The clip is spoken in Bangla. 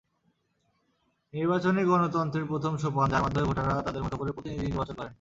নির্বাচনই গণতন্ত্রের প্রথম সোপান, যার মাধ্যমে ভোটাররা তাঁদের মতো করে প্রতিনিধি নির্বাচন করেন।